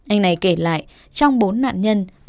anh này kể lại trong bốn nạn nhân